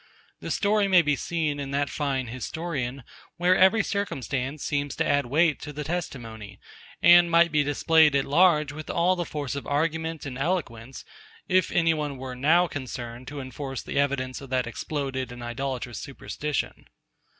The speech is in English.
The story may be seen in that fine historian; where every circumstance seems to add weight to the testimony, and might be displayed at large with all the force of argument and eloquence, if any one were now concerned to enforce the evidence of that exploded and idolatrous superstition.